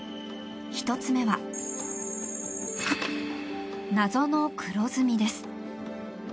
１つ目は、謎の黒ずみです。